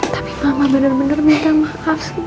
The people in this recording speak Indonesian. tapi mama benar benar minta maaf semua